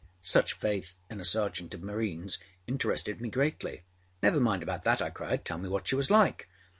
Such faith in a Sergeant of Marines interested me greatly. âNever mind about that,â I cried. âTell me what she was like.